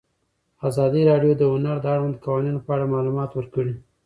ازادي راډیو د هنر د اړونده قوانینو په اړه معلومات ورکړي.